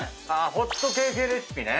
ホットケーキレシピね！